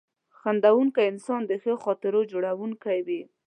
• خندېدونکی انسان د ښو خاطرو جوړونکی وي.